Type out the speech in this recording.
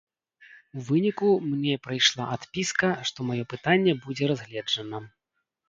У выніку мне прыйшла адпіска, што маё пытанне будзе разгледжана.